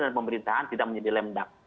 dan pemerintahan tidak menjadi lembak